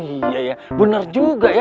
iya ya benar juga ya